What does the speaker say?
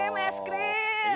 ajarin tapi ya